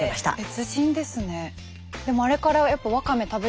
別人ですね。